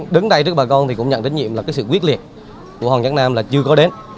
đứng đây trước bà con thì cũng nhận tín nhiệm là cái sự quyết liệt của hoàng nhân nam là chưa có đến